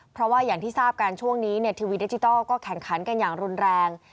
เพราะว่าอย่างที่ทราบกันช่วงนี้ทีวีดิจิทัลก็แข่งขันกันอย่างรุนแรง